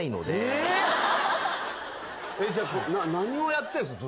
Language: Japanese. えっじゃあ何をやってんすか？